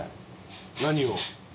何を？